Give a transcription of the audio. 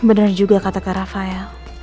bener juga kata kak rafa ya